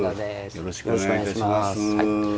よろしくお願いします。